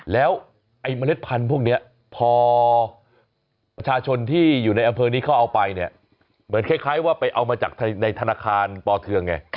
แล้วไอ้เมล็ดพันธุ์พวกนี้พอประชาชนที่อยู่ในอำเภอนี้เขาเอาไปเนี่ยเหมือนคล้ายว่าไปเอามาจากในธนาคารปเทืองไง